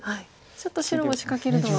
ちょっと白も仕掛けるのは。